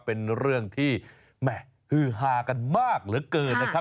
เป็นเรื่องที่แหม่ฮือฮากันมากเหลือเกินนะครับ